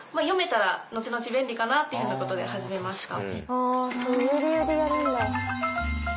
あそういう理由でやるんだ。